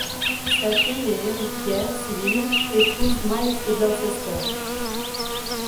Sa fille et héritière Sybille épouse Miles de Gloucester.